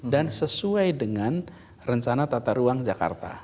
dan sesuai dengan rencana tata ruang jakarta